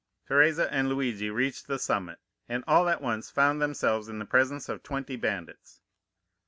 "Teresa and Luigi reached the summit, and all at once found themselves in the presence of twenty bandits.